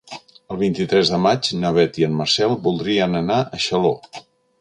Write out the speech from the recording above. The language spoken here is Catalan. El vint-i-tres de maig na Beth i en Marcel voldrien anar a Xaló.